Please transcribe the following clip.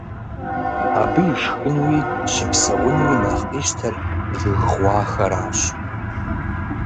Абы ишхынууи щыпсэунууи нэхъ къищтэр жыг гъуахэращ.